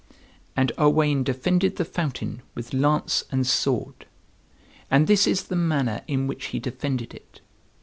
And Owain defended the fountain with lance and sword. And this is the manner in which he defended it.